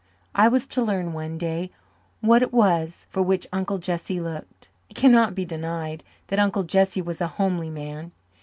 I was to learn one day what it was for which Uncle Jesse looked. It cannot be denied that Uncle Jesse was a homely man.